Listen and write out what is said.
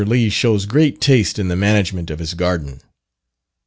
Lee shows great taste in the management of his garden.